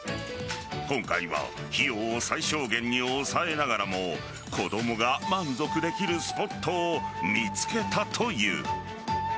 今回は費用を最小限に抑えながらも子供が満足できるスポットを見つけたという。